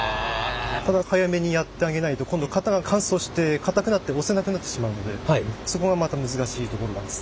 ただ早めにやってあげないと今度は型が乾燥して固くなって押せなくなってしまうのでそこがまた難しいところなんです。